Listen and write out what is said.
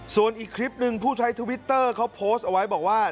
ส่วนอีกคลิปหนึ่งผู้ใช้ทวิตเตอร์เขาโพสต์เอาไว้บอกว่า